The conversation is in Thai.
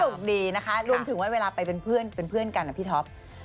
ยังสนุกดีนะคะรวมถึงเวลาไปเป็นเพื่อนกันนะพี่ท็อป